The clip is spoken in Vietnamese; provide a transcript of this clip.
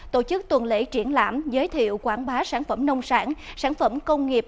tổ chức tuần lễ triển lãm giới thiệu quảng bá sản phẩm nông sản sản phẩm công nghiệp